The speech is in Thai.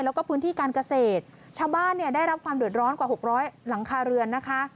แล้วก็พื้นที่การเกษตรชาวบ้านเนี่ยได้รับความเดือดร้อนกว่าหกร้อยหลังคาเรือนนะคะ